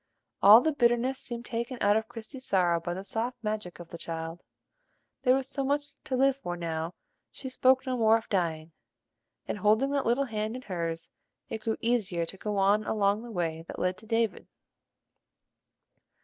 All the bitterness seemed taken out of Christie's sorrow by the soft magic of the child: there was so much to live for now she spoke no more of dying; and, holding that little hand in hers, it grew easier to go on along the way that led to David.